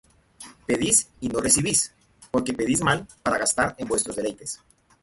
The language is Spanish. Pedís, y no recibís, porque pedís mal, para gastar en vuestros deleites.